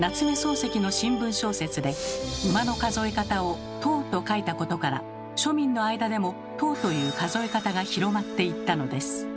漱石の新聞小説で馬の数え方を「頭」と書いたことから庶民の間でも「頭」という数え方が広まっていったのです。